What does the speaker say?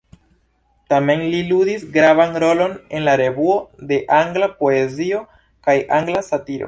Tamen li ludis gravan rolon en la evoluo de angla poezio kaj angla satiro.